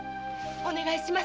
お願いします。